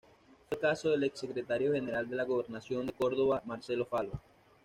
Fue el caso del ex-secretario General de la Gobernación de Córdoba, Marcelo Falo.